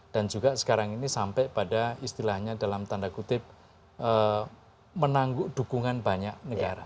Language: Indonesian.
dan juga sekarang ini sampai pada istilahnya dalam tanda kutip menanggung dukungan banyak negara